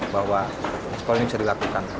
bahwa sekolah ini bisa dilakukan